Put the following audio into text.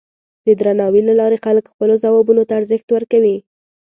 د درناوي له لارې خلک خپلو ځوابونو ته ارزښت ورکوي.